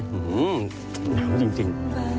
หนาวจริง